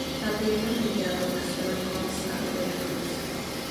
Gabriela Mellado nació en Orizaba, Veracruz.